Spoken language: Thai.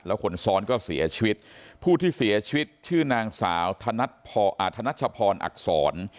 แล้วคนซ้อนก็เสียชีวิตผู้ที่เสียชีวิตชื่อนางสาวธนัชพรอักษร